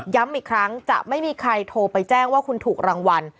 อีกครั้งจะไม่มีใครโทรไปแจ้งว่าคุณถูกรางวัล